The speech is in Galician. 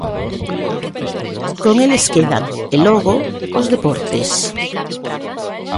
Con eles quedan e logo, os deportes.